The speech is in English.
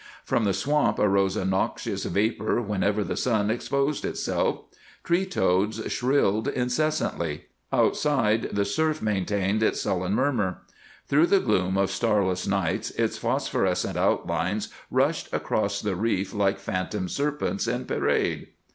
From the swamp arose a noxious vapor whenever the sun exposed itself; tree toads shrilled incessantly. Outside, the surf maintained its sullen murmur; through the gloom of starless nights its phosphorescent outlines rushed across the reef like phantom serpents in parade.